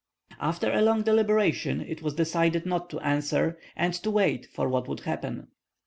After a long deliberation it was decided not to answer, and to wait for what would happen.